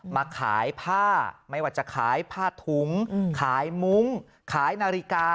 มาขายผ้าไม่ว่าจะขายผ้าถุงขายมุ้งขายนาฬิกา